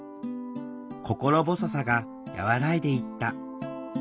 心細さが和らいでいった。